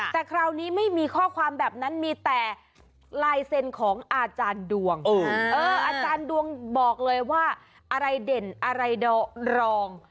แต่คราวนี้ไม่มีข้อความแบบนั้นมีแต่ลายเซ็นต์ของอาจารย์ดวงอาจารย์ดวงบอกเลยว่าอะไรเด่นอะไรรอง